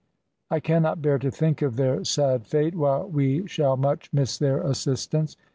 I cannot bear to think of their sad fate, while we shall much miss their assistance.